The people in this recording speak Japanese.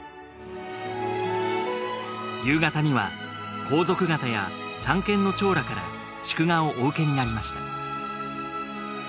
夕方には皇族方や三権の長らから祝賀をお受けになりました